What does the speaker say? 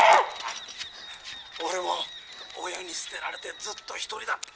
「俺も親に捨てられてずっと一人だった。